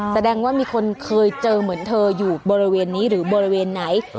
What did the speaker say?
แสดงว่ามีคนเคยเจอเหมือนเธออยู่บริเวณนี้หรือบริเวณไหน